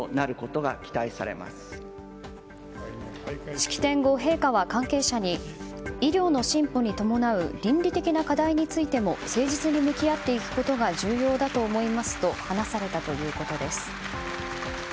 式典後、陛下は関係者に医療の進歩に伴う倫理的な課題についても誠実に向き合っていくことが重要だと思いますと話されたということです。